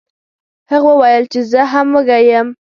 هغه وویل چې زه هم وږی یم.